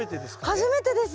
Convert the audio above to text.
初めてです。